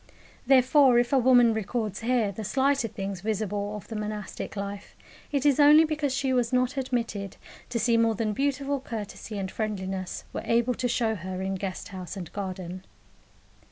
Therefore, if a woman records here the slighter things visible of the monastic life, it is only because she was not admitted to see more than beautiful courtesy and friendliness were able to show her in guest house and garden.